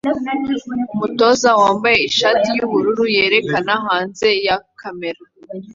Umutoza wambaye ishati yubururu yerekana hanze ya kamera